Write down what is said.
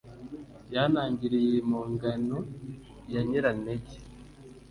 ya ntangiriyimpongano ya nyirantege,